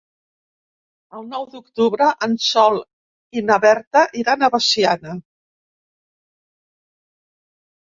El nou d'octubre en Sol i na Berta iran a Veciana.